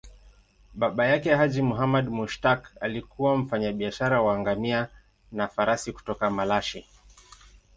Baba yake, Haji Muhammad Mushtaq, alikuwa mfanyabiashara wa ngamia na farasi kutoka Malashi.